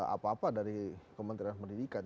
apa apa dari kementerian pendidikan